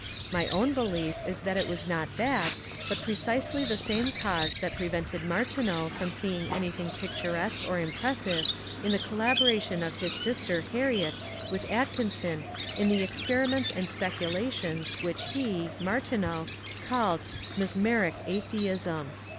My own belief is that it was not that, but precisely the same cause that prevented Martineau from seeing anything picturesque or impressive in the colla^ boration of his sister Harriet with Atkinson in the experiments and speculations which he (Martineau) called ^'Mesmeric Atheism."